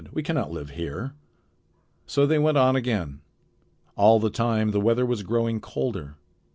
"We can not live here." So they went on again. All the time the weather was growing colder.